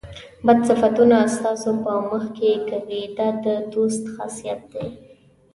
بد صفتونه ستاسو په مخ کې کوي دا د دوست خاصیت دی.